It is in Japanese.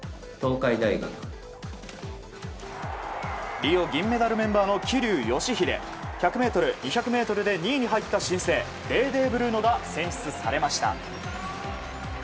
リオ銀メダルメンバーの桐生祥秀。１００ｍ、２００ｍで２位に入った新星デーデー・ブルーノが選出されました。